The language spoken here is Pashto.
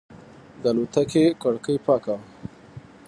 د الوتکې کړکۍ پاکه وه.